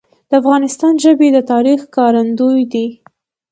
د افغانستان ژبي د تاریخ ښکارندوی دي.